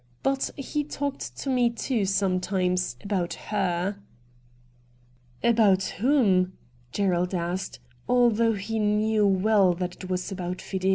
— but he talked to me too sometimes — abou her' ' About whom ?' Gerald asked, although he knew well that it was about Fidelia.